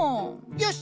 よし！